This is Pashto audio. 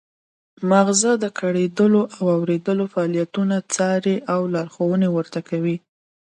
مغزه د ګړیدلو او اوریدلو فعالیتونه څاري او لارښوونه ورته کوي